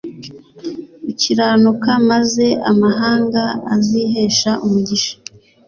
ukiranuka maze amahanga azihesha umugisha